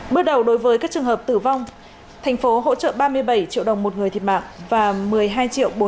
bước đầu đối với các trường hợp tử vong thành phố hỗ trợ ba mươi bảy triệu đồng một người thiệt mạng và một mươi hai triệu